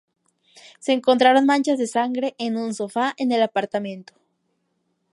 Se encontraron manchas de sangre en un sofá en el apartamento.